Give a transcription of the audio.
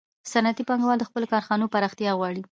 صنعتي پانګوال د خپلو کارخانو پراختیا غواړي